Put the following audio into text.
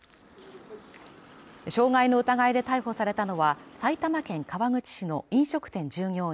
傷害の疑いで逮捕されたのは埼玉県川口市の飲食店従業員